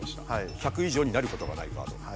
１００いじょうになることがないカード。